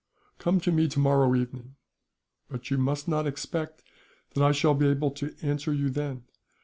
"Come to me tomorrow evening, but you must not expect that I shall be able to answer you then.